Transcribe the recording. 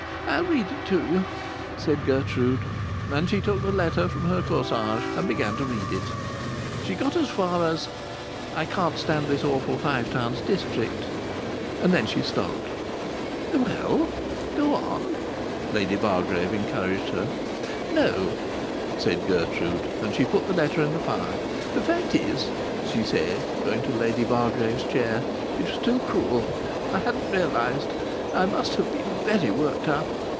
"I'll read it to you," said Gertrude, and she took the letter from her corsage and began to read it. She got as far as "I can't stand this awful Five Towns district," and then she stopped. "Well, go on," Lady Bargrave encouraged her. "No," said Gertrude, and she put the letter in the fire. "The fact is," she said, going to Lady Bargrave's chair, "it was too cruel. I hadn't realized.... I must have been very worked up....